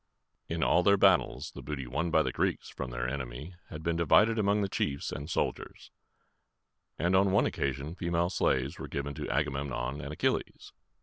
In all their battles, the booty won by the Greeks from the enemy had been divided among the chiefs and soldiers, and on one occasion female slaves were given to Agamemnon and Achilles.